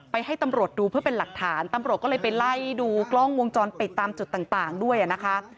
ให้ตำรวจดูเพื่อเป็นหลักฐานตำรวจก็เลยไปไล่ดูกล้องวงจรปิดตามจุดต่างด้วยนะคะ